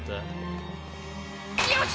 よし！